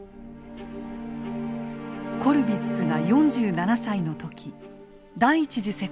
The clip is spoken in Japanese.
コルヴィッツが４７歳の時第一次世界大戦が勃発。